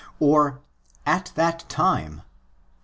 or "At that time" (xii.